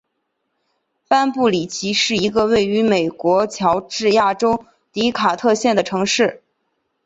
班布里奇是一个位于美国乔治亚州迪卡特县的城市。